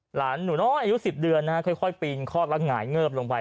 หลานหนูน้อยอายุสิบเดือนนะฮะค่อยค่อยปีนข้อกลักหง่ายเงิบลงไป